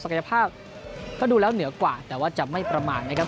กายภาพก็ดูแล้วเหนือกว่าแต่ว่าจะไม่ประมาณนะครับ